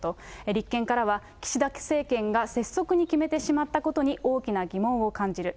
立憲からは、岸田政権が拙速に決めてしまったことに、大きな疑問を感じる。